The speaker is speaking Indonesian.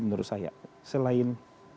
menurut saya selain